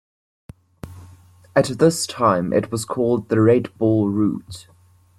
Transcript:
At this time it was called the Red Ball Route.